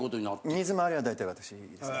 水回りは大体私ですね。